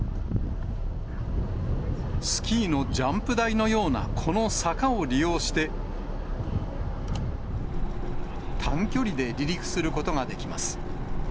スキーのジャンプ台のようなこの坂を利用して、短距離で離陸することができます。